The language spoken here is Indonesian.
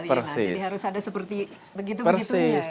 jadi harus ada seperti begitu begitunya ya